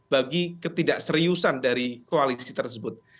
bagi ketidakseriusan dari koalisi tersebut